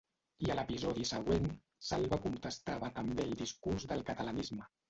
I a l'episodi següent, Salva contestava també al discurs del catalanisme.